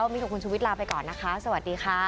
วันนี้กับคุณชุวิตลาไปก่อนนะคะสวัสดีค่ะ